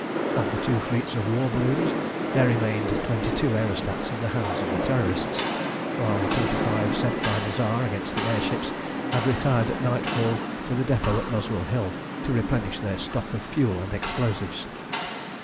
Of the two fleets of war balloons there remained twenty two aerostats in the hands of the Terrorists, while the twenty five sent by the Tsar against the air ships had retired at nightfall to the depot at Muswell Hill to replenish their stock of fuel and explosives.